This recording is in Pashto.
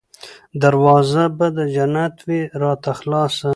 دروازه به د جنت وي راته خلاصه